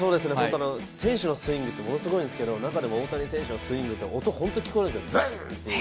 選手のスイングってものすごいんですけど、中でも大谷選手のスイングって、音が本当に聞こえるんですよ、ブンッて。